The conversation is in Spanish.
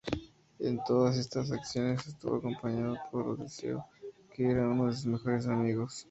En todas estas acciones estuvo acompañado por Odiseo, que era uno de sus mejores amigos.